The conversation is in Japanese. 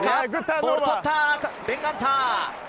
ボールを取った、ベン・ガンター！